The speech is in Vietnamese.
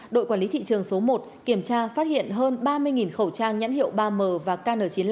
đội quản lý thị trường số một kiểm tra phát hiện hơn ba mươi khẩu trang nhãn hiệu ba m và kn chín mươi năm